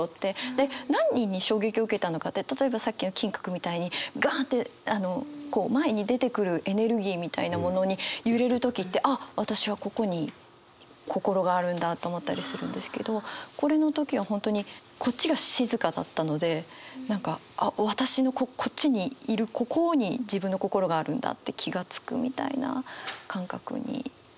で何に衝撃を受けたのかって例えばさっきの金閣みたいにガンってこう前に出てくるエネルギーみたいなものに揺れる時ってあっ私はここに心があるんだと思ったりするんですけどこれの時は本当にこっちが静かだったので何か私のこっちにいるここに自分の心があるんだって気が付くみたいな感覚になってたかなって。